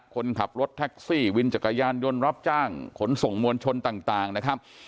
คนขับรถแท็กซี่วินจักรยานยนต์รับจ้างขนส่งมวลชนต่างนะครับ